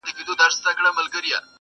o د سړیو سره خواته مقبره کی ,